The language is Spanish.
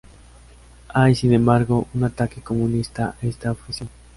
Hay, sin embargo, un ataque comunista a esta objeción.